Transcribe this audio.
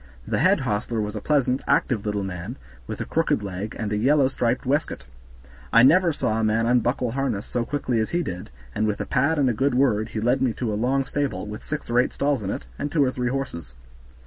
The head hostler was a pleasant, active little man, with a crooked leg, and a yellow striped waistcoat. I never saw a man unbuckle harness so quickly as he did, and with a pat and a good word he led me to a long stable, with six or eight stalls in it, and two or three horses.